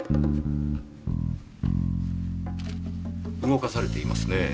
動かされていますねぇ